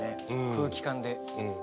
空気感で。